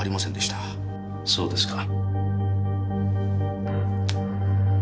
そうですか。